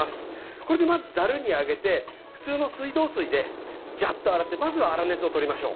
これでまず、ざるに上げて普通の水道水でジャッと洗ってまずは粗熱をとりましょう。